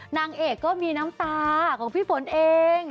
นางเอกก็มีน้ำตาของพี่ฝนเอง